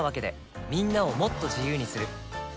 みんなをもっと自由にする「三菱冷蔵庫」